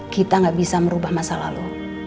kita gak bisa merubah masa lalu